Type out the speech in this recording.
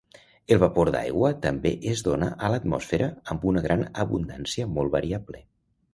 El vapor d'aigua també es dona a l'atmosfera amb una gran abundància molt variable.